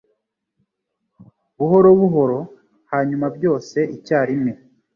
Buhorobuhoro, hanyuma byose icyarimwe